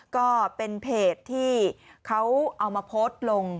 ก็เป็นเพจที่เขาเอามาโพสต์ลง